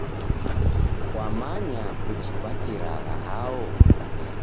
Kwamanya kuchipatiragha hao?